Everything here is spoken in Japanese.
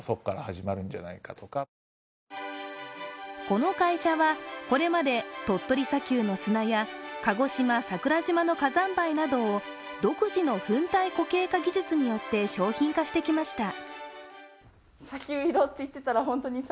この会社はこれまで鳥取砂丘の砂や鹿児島・桜島の火山灰などを独自の粉体固形化技術によって商品化してきました。